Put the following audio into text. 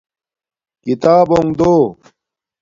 کتابونݣ دو